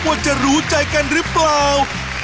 ว่าจะรู้ใจกันหรือเปล่า